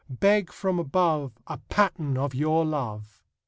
Beg from above A pattern of your love!"